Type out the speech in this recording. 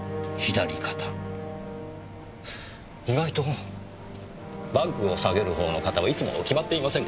意外とバッグを提げるほうの肩はいつも決まっていませんか？